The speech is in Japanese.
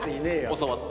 教わって。